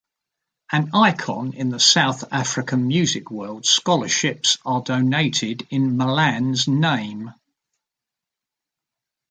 An icon in the South African music world, scholarships are donated in Malan's name.